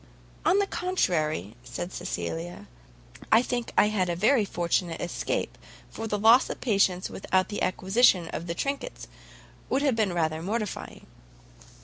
"On the contrary," said Cecilia, "I think I had a very fortunate escape, for the loss of patience without the acquisition of the trinkets, would have been rather mortifying."